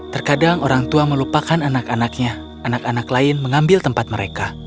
terkadang orang tua melupakan anak anaknya anak anak lain mengambil tempat mereka